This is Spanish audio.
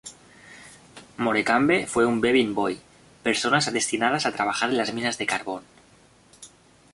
Morecambe fue un Bevin Boy, personas destinadas a trabajar en las minas de carbón.